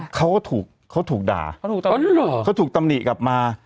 เขาก็ถูกเขาถูกด่าเขาถูกตำหนิกลับมา